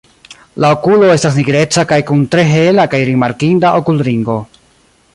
La okulo estas nigreca kaj kun tre hela kaj rimarkinda okulringo.